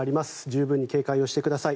十分に警戒をしてください。